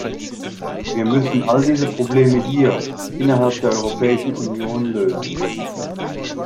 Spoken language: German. Wir müssen all diese Probleme hier, innerhalb der Europäischen Union, lösen.